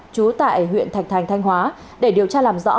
trú tại huyện thạch thành thanh hóa để điều tra làm rõ